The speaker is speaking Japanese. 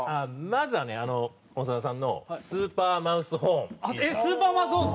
まずはね長田さんのスーパーマウスホーン。